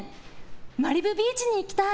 マリブビーチに行きたい！